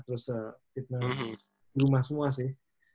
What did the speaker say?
terus fitnah di rumah semua sih